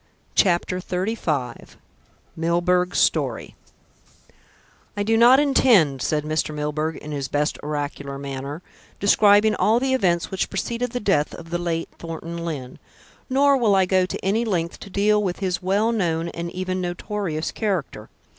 CHAPTER XXXV MILBURGH'S STORY "I do not intend," said Mr. Milburgh in his best oracular manner, "describing all the events which preceded the death of the late Thornton Lyne. Nor will I go to any length to deal with his well known and even notorious character.